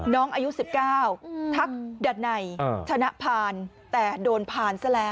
น้องอายุ๑๙ทักดันัยชนะผ่านแต่โดนผ่านซะแล้ว